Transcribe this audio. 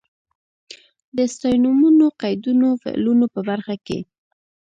د ستاینومونو، قیدونو، فعلونو په برخه کې.